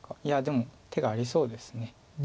いやでも手がありそうです。